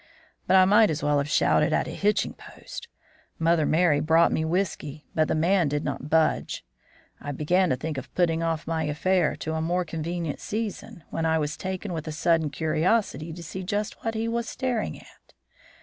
"But I might as well have shouted at a hitching post. Mother Merry brought me whiskey, but the man did not budge. I began to think of putting off my affair to a more convenient season, when I was taken with a sudden curiosity to see just what he was staring at.